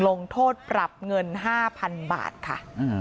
ลงโทษปรับเงิน๕๐๐๐บาทค่ะ